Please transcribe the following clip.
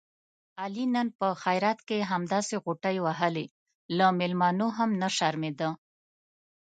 علي نن په خیرات کې همداسې غوټې وهلې، له مېلمنو هم نه شرمېدا.